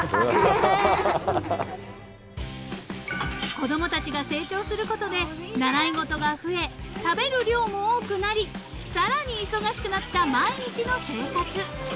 ［子供たちが成長することで習い事が増え食べる量も多くなりさらに忙しくなった毎日の生活］